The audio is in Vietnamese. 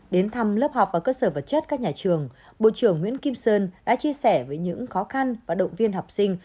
đến thăm lớp học và cơ sở vật chất các nhà trường bộ trưởng nguyễn kim sơn đã chia sẻ với những khó khăn và động viên học sinh